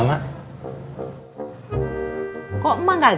masih berani kamu